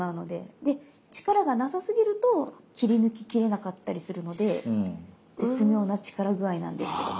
で力が無さすぎると切り抜ききれなかったりするので絶妙な力具合なんですけども。